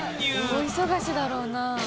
「大忙しだろうな」